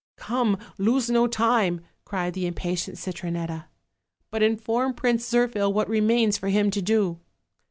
" 'Come, lose no time,' cried the impatient Citronetta, 'but inform Prince Zirphil what remains for him to do.'